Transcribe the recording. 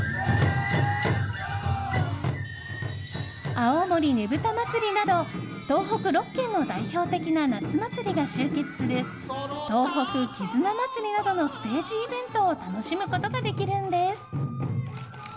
青森ねぶた祭など、東北６県の代表的な夏祭りが集結する東北絆まつりなどのステージイベントを楽しむことができるんです。